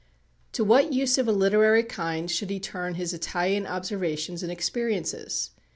To what use of a literary kind should he turn his Italian observations and experiences?